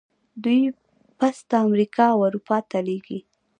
دوی پسته امریکا او اروپا ته لیږي.